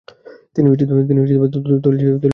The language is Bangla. তিনি তৈলচিত্র তৈরি করতেন।